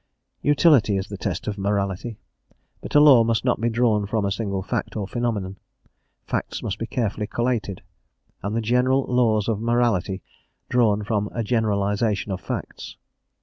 Utility is the test of morality. But a law must not be drawn from a single fact or phenomenon; facts must be carefully collated, and the general laws of morality drawn from a generalisation of facts.